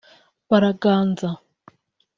baraganza